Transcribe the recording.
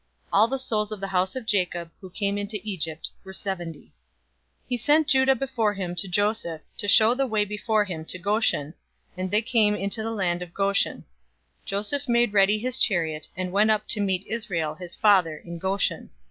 All the souls of the house of Jacob, who came into Egypt, were seventy. 046:028 He sent Judah before him to Joseph, to show the way before him to Goshen, and they came into the land of Goshen. 046:029 Joseph made ready his chariot, and went up to meet Israel, his father, in Goshen.